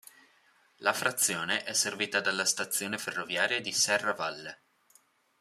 La frazione è servita dalla stazione ferroviaria di Serravalle.